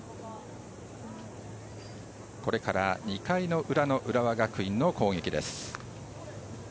これから２回の裏の浦和学院の攻撃です。